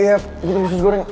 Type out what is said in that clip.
iya putri usus goreng